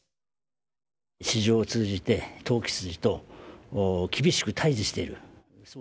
市場を通じて、投機筋と厳しく対じしている。